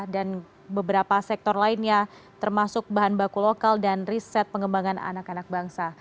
beberapa sektor lainnya termasuk bahan baku lokal dan riset pengembangan anak anak bangsa